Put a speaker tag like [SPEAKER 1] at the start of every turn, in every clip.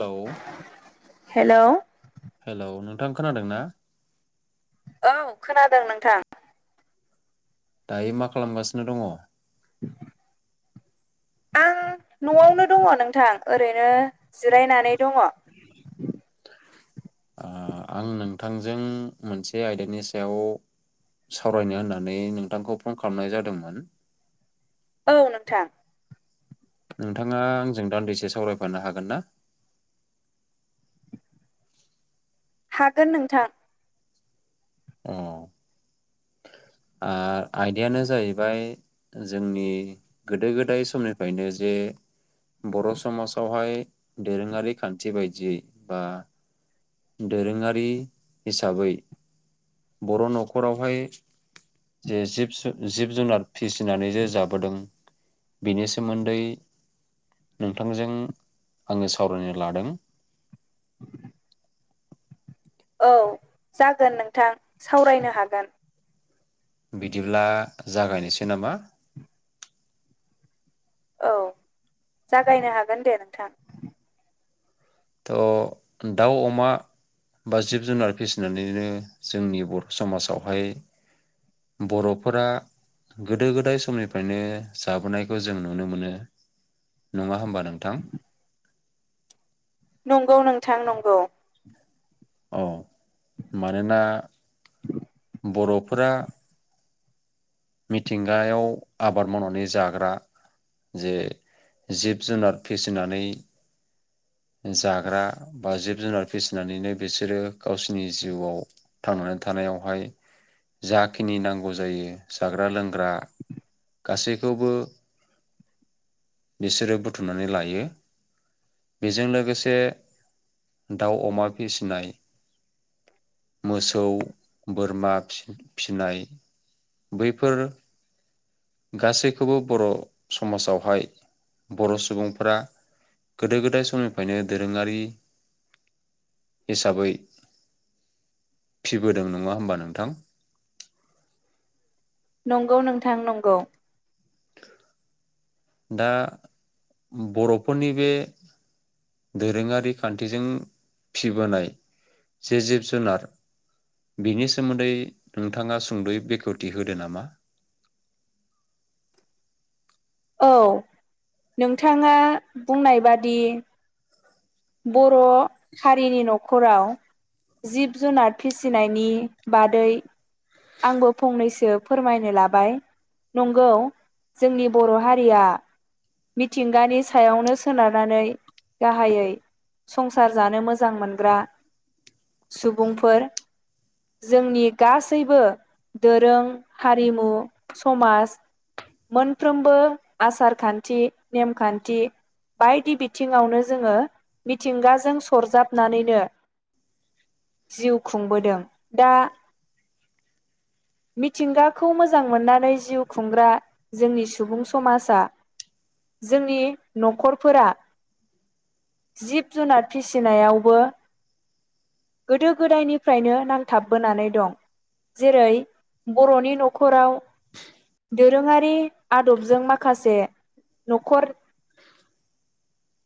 [SPEAKER 1] Hello
[SPEAKER 2] hello
[SPEAKER 1] hello नोंथां खोनादों ना?
[SPEAKER 2] औ खोनादों नोंथां।
[SPEAKER 1] दायो मा खालामगासिनो दङ'?
[SPEAKER 2] आं न'आवनो दङ' नोंथां ओरैनो जिरायनानै दङ'।
[SPEAKER 1] आ आं नोंथांजों मोनसे आयदानि सायाव सावरायनो होननानै नोंथांखौ फन खालामनाय जादोंमोन।
[SPEAKER 2] औ नोंथां।
[SPEAKER 1] नोंथाङा आंजों दान्दिसे सावरायफानो हागोन ना?
[SPEAKER 2] हागोन नोंथां।
[SPEAKER 1] अ आ आयदायानो जाहैबाय जोंनि गोदो गोदाय समनिफ्रायनो जे बर' समाजावहाय दोरोङारि खान्थि बाय दियै बा दोरोङारि हिसाबै बर' नखरावहाय जे जिब जिब जुनार फिसिनानै जे जाबोदों बेनि सोमोन्दै नोंथांजों आङो सावरायनो लादों।
[SPEAKER 2] औ जागोन नोंथां सावरायनो हागोन।
[SPEAKER 1] बिदिब्ला जागायनोसै नामा?
[SPEAKER 2] औ जागायनो हागोन दे नोंथां।
[SPEAKER 1] थ' दाउ अमा बा जिब जुनार फिसिनानैनो जोंनि बर' समाजावहाय बर'फोरा गोदो गोदाय समनिफ्रायनो जाबोनायखौ जों नुनो मोनो। नङा होमबा? नोंथां।
[SPEAKER 2] नंगौ नोंथां नंगौ।
[SPEAKER 1] औ, मानोना बर'फोरा मिथिंगायाव आबाद मावनानै जाग्रा जे जिब जुनार फिसिनानै जाग्रा बा जिब जुनार फिसिनानैनो बिसोरो गावसिनि जिउआव थांनानै थानायावहाय जाखिनि नांगौ जायो जाग्रा लोंग्रा गासैखौबो बिसोरो बुथुमनानै लायो। बेजों लोगोसे दाउ अमा फिसिनाय मोसौ बोरमा फि-फिनाय बैफोर गासैखौबो बर' समाजावहाय बर' सुबुंफ्रा गोदो गोदाय स समनिफ्रायनो दोरोङारि हिसाबै फिबोदों नङा होमबा नोंथां?
[SPEAKER 2] नंगौ नोंथां नंगौ।
[SPEAKER 1] दा बर'फोरनि बे दोरोङारि खान्थिजों फिबोनाय जे जिब जुनार बिनि सोमोन्दै नोंथाङा सुंद'यै बेखेवथि होदो नामा?
[SPEAKER 2] औ नोंथाङा बुंनाय बादि ब र' हारिनि न'ख खराव जिब जुनार फिसिनायनि बादै आंबो फंनैसो फोरमायनो लाबाय नंगौ जोंनि बर' हारिया मिथिंगानि सायावनो सोनारनानै गाहायै संसार जानो मोजां मोनग्रा सुबुंफोर जोंनि गासैबो दोरों, हारिमु, समाज मोन फ्रोमबो आसार खान्थि नेमखान्थि बायदि बिथिङावनो जोङो मिथिंगाजों सरजाबनानैनो जिउ खुंबोदों। दा मिथिंगाखौ मोजां मोन्नानै जिव खुंग्रा जोंनि सु सुबुं समाजा जोंनि न'खरफोरा जिब जुनार फिसिनायावबो गोदो गोदायनिफ्रायनो नांथाबबोनानै दं। जेरै बर'नि न'खराव दोरोङारि आदबजों माखासे न'खर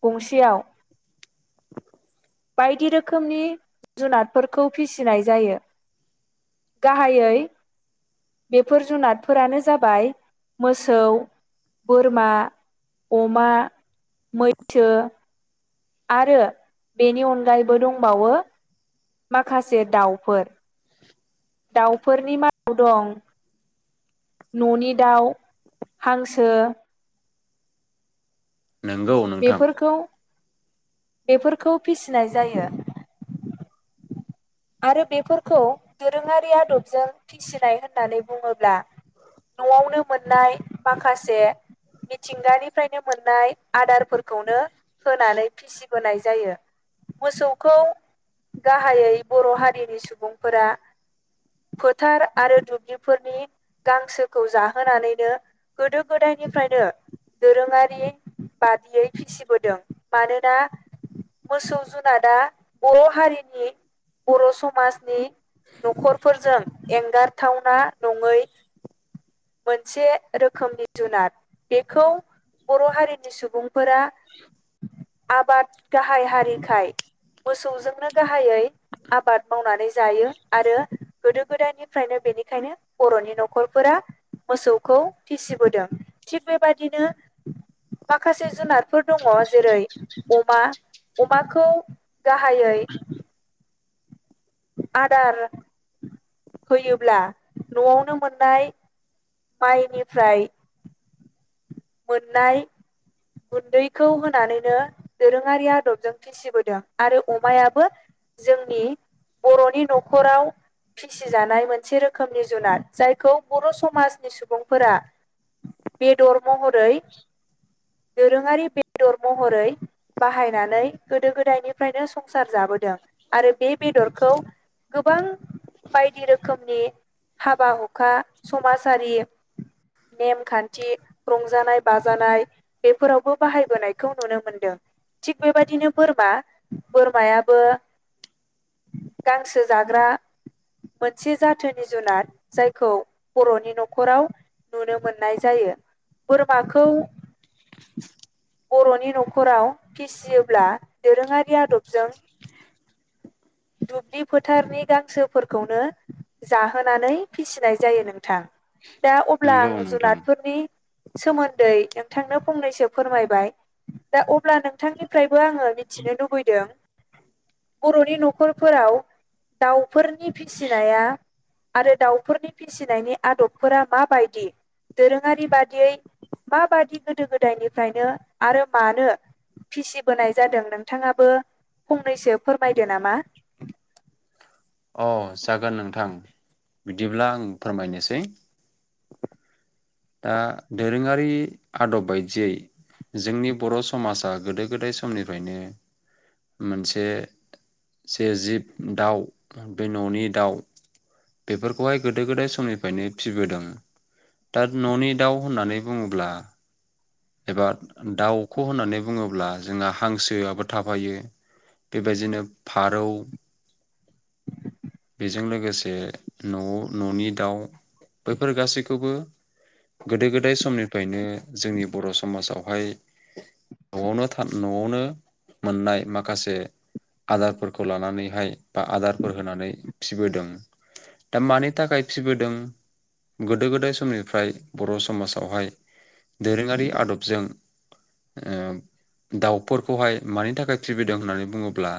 [SPEAKER 2] गंसेयाव बायदि रोखोमनि जुनादफोरखौ फिसिनाय जायो। गाहायै बेफोर जुनादफोरानो जाबाय मोसौ, बोरमा, अमा, मैसो आरो बेनि अनगायैबो दंबावो माखासे दाउफोर दाउफोरनि मादाव दं न'नि दाउ, हांसो
[SPEAKER 1] नोंगौ नोंथां।
[SPEAKER 2] बेफोरखौ बेफोरखौ फिसिनाय जायो। आरो बेफोरखौ दोरोङारि आदबजों फिसिनाय होननानै बुङोब्ला न'आवनो मोननाय माखासे मिथिंगानिफ्रायनो मोननाय आदारफोरखौनो होनानै फिसिबोनाय जायो मोसौखौ गाहायै बर' हारिनि सुबुंफोरा फोथार आरो दुब्लिफोरनि गांसोखौ जाहोनानैनो गोदो गोदायनिफ्रायनो दोरोङारि बादियै फिसिबोदों मानोना मोसौ जुनाद दा बर' हारिनि बर' समाजनि न'खरफोरजों एंगारथावना नङै मोनसे रोखोमनि जुनार बेखौ बर' हारिनि सुबुंफोरा आबाद गाहाय हारिखाय मोसौजोंनो गाहायै आबाद मावनानै जायो आरो गोदो गोदायनिफ्रायनो बेनिखायनो बर'नि न'खरफोरा मोसौखौ फिसिबोदों थिग बेबादिनो माखासे जुनारफोर दङ' जेरै अमा अमाखौ गाहायै आदार होयोब्ला न'आवनो मोननाय माइनिफ्राय मोननाय गुन्दैखौ होनानैनो दोरोङारि आदबजों फिसिबोदों आरो अमायाबो जोंनि बर'नि न'खराव फिसिजानाय मोनसे रोखोमनि जुनार जायखौ बर' समाजनि सुबुंफोरा बेदर महरै दोरोङारि बेदर महरै बाहायनानै गोदो गोदायनिफ्रायनो संसार जाबोदों आरो बे बेदरखौ गोबां बायदि रोखोमनि हाबा हुखा समाजारि नेमखान्थि रंजानाय बाजानाय बेफोरावबो बाहायबोनायखौ नुनो मोनदों थिग बेबायदिनो बोरमा बोरमायाबो गांसो जाग्रा मोनसे जाथोनि जुनार जायखौ बर'नि न'खराव नुनो मोननाय जायो। बोरमाखौ बर'नि न'खराव फिसियोब्ला दोरोङारि आदबजों दुब्लि फोथारनि गांसोफोरखौनो जाहोनानै फिसिनाय जायो नों थां दा अब्ला
[SPEAKER 1] नोंगौ
[SPEAKER 2] आं
[SPEAKER 1] नोंथां।
[SPEAKER 2] जुनादफोरनि सोमोन्दै नोंथांनो फंनैसो फोरमायबाय दा अब्ला नोंथांनिफ्रायबो आङो मिथिनो लुबैदों बर'नि न'ख खरफोराव दाउफोरनि फिसिनाया आरो दाउफोरनि फिसिनायनि आदबफोरा माबायदि दोरोङारि बादियै माबादि गोदो गोदायनिफ्रायनो आरो मानो फिसिबोनाय जादों नोंथाङाबो फंनैसो फोरमायदो नामा
[SPEAKER 1] अ जागोन नोंथां बिदिब्ला आं फोरमायनोसै दा दोरोङारि आदब बायदियै जोंनि बर' समाजा गोदो गोदाय समनिफ्रायनो मोनसे जे जिब दाउ बे न'नि दाउ बेफोरखौहाय गोदो गोदाय समनिफ्रायनो फिबोदों। दाद न'नि दाउ होननानै बुङोब्ला एबा दाउखौ होननानै बुङोब्ला जोंहा हांसोआबो थाफायो बेबायदिनो फारौ बेजों लोगोसे न'आव न'नि दाउ बैफोर गासैखौबो गोदो गोदाय समनिफ्रायनो जोंनि बर' समाजावहाय न'आवनो था न'आवनो मोननाय माखासे आदारफोरखौ लानानैहाय बा आदारफोर होनानै फिबोदों दा मानि थाखाय फिबोदों गोदो गोदाय समनिफ्राय बर' समाजावहाय दोरोङारि आदबजों ओ दाउफोरखौहाय मानि थाखाय फिबिदों होननानै बुङोब्ला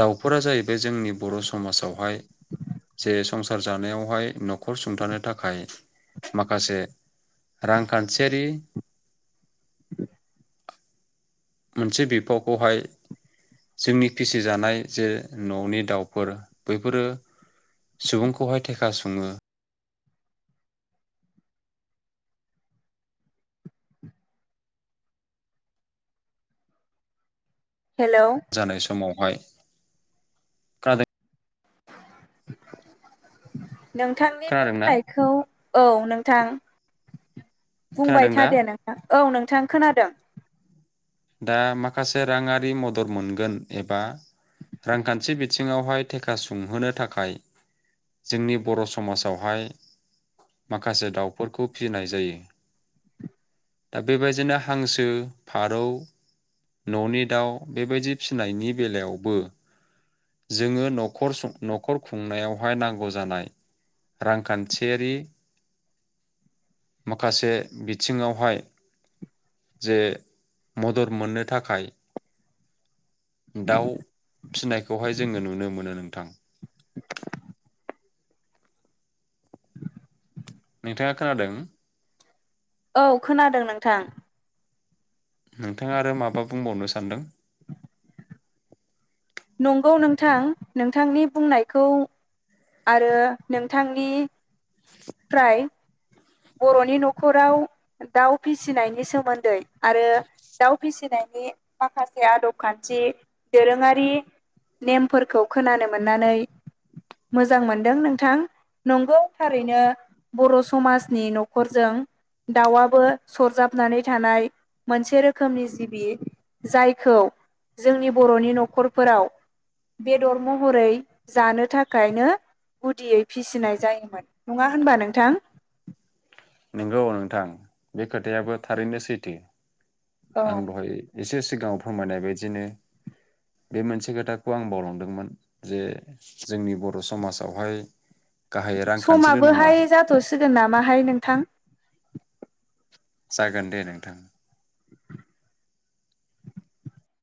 [SPEAKER 1] दाउफोरा जाहैबाय जोंनि बर' समाजावहाय जे संसार जानायावहाय न'खर सुंथानो थाखाय माखासे रांखान्थियारि मोनसे बिफावखौहाय जोंनि फिसिजानाय जे न'नि दाउफोर बैफोरो सुबुंखौहाय थेखा सुङो
[SPEAKER 2] हेलौ
[SPEAKER 1] जानाय समावहाय। खोनादों
[SPEAKER 2] नोंथांनि
[SPEAKER 1] खोनादोंना
[SPEAKER 2] बुंनायखौ औ नोंथां। बुंबाय
[SPEAKER 1] खोनादों दा
[SPEAKER 2] थादे नोंथां। औ नोंथां खोनादों।
[SPEAKER 1] दा माखासे राङारि मदद मोनगोन एबा रांखान्थि बिथिङावहाय थेखा सुंहोनो थाखाय जोंनि बर' समाजावहाय माखासे दाउफोरखौ फिनाय जायो दा बेबायदिनो हांसो, फारौ न'नि दाउ बेबायदि फिनायनि बेलायावबो जोङो न'खर सं न'खर खुंनायावहाय नांगौ जानाय रांखान्थियारि माखासे बिथिङावहाय जे मदद मोननो थाखाय दाउ फिनायखौहाय जोङो नुनो मोनो नोंथां। नोंथाङा खोनादों?
[SPEAKER 2] औ खोनादों नोंथां।
[SPEAKER 1] नोंथाङा आरो माबा बुंबावनो सानदों?
[SPEAKER 2] नंगौ नोंथां नोंथांनि बुंनायखौ आरो नोंथांनि फ्राय बर'नि न'खराव दाउ फिसिनायनि सोमोन्दै आरो दाउ फिसिनायनि माखासे आदब खान्थि दोरोङारि नेमफोरखौ खोनानो मोननानै मोजां मोनदों नोंथां नंगौ थारैनो बर' समाज नि न'खरजों दाउआबो सरजाबनानै थानाय मोनसे रोखोमनि जिबि जायखौ जोंनि बर'नि न'खरफोराव बेदर महरै जानो थाखायनो गुदियै फिसिनाय जायोमोन नङा होनबा नोंथां।
[SPEAKER 1] नोंगौ नोंथां बे खोथायाबो थारैनो सैथो। आं
[SPEAKER 2] औ
[SPEAKER 1] दहाय एसे सिगाङाव फोरमायनाय बायदिनो बे मोनसे खोथाखौ आं बावलांदोंमोन जे जोंनि बर' समाजावहाय गाहाय रांखान्थिल' नङा
[SPEAKER 2] समाबोहाय जाथ'सिगोन नामाहाय नोंथां।
[SPEAKER 1] जागोन दे नोंथां।